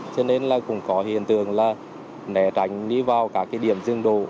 cho nên là cũng có hiện tượng là nẻ tránh đi vào các cái điểm dương đồ